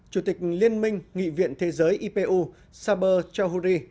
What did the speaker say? chủ tịch liên minh nghị viện thế giới ipu saber chohuri